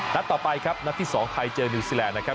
นัดต่อไปครับนัดที่๒ไทยเจอนิวซีแลนด์นะครับ